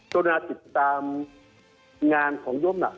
ต้อนรับติดตามงานของย่อมหลัก